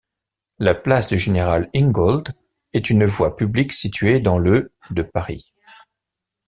La place du Général-Ingold est une voie publique située dans le de Paris.